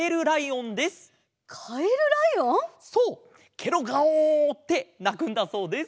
「ケロガオー」ってなくんだそうです！